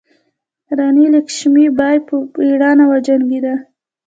راني لکشمي بای په میړانه وجنګیده.